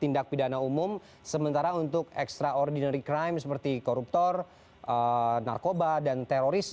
tindak pidana umum sementara untuk extraordinary crime seperti koruptor narkoba dan teroris